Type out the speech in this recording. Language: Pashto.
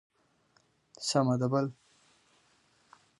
تاریخ د افغانستان د سیاسي جغرافیې یوه ډېره مهمه او اساسي برخه ده.